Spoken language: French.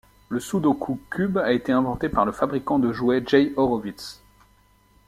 Le Sudoku Cube a été inventé par le fabricant de jouets Jay Horowitz.